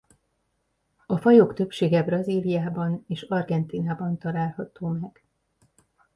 A fajok többsége Brazíliában és Argentínában található meg.